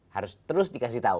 harus terus dikasih tahu